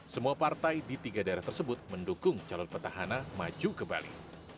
semua partai di tiga daerah tersebut mendukung calon petahana maju ke bali